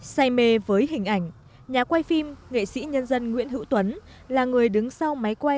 say mê với hình ảnh nhà quay phim nghệ sĩ nhân dân nguyễn hữu tuấn là người đứng sau máy quay